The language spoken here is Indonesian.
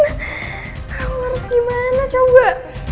aku harus gimana coba